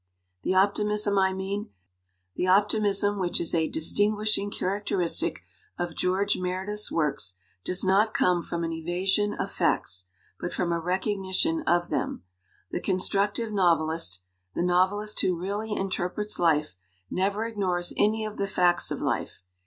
"The optimism I mean, the optimism which is a distinguishing characteristic of George Mere dith's works, does not come from an evasion of facts, but from a recognition of them. The con structive novelist, the novelist who really inter prets life, never ignores any of the facts of life.